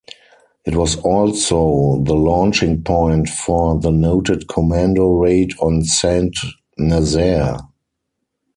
It was also the launching point for the noted commando raid on Saint-Nazaire.